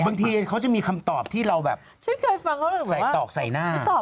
บางทีเขาจะมีคำตอบที่เราแบบแข็งต้อกใส่หน้า